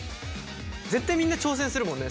絶対みんな挑戦するもんね